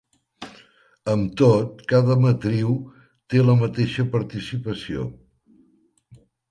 Amb tot, cada matriu té la mateixa participació.